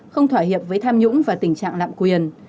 không thỏa hiệp với tham nhũng và tình trạng lạm quyền